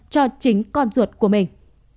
cho chính con ruột của mình